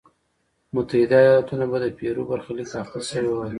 متحده ایالتونه به د پیرو برخلیک اخته شوی وای.